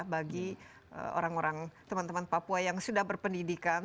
bagi orang orang teman teman papua yang sudah berpendidikan